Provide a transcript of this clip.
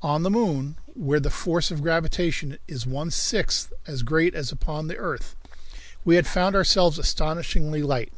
On the moon, where the force of gravitation is one sixth as great as upon the earth, we had found ourselves astonishingly light.